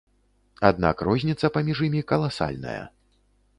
Аднак розніца паміж імі каласальная.